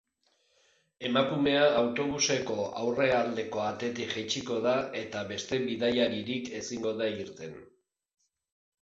Emakumea autobuseko aurrealdeko atetik jaitsiko da, eta beste bidaiaririk ezingo da irten.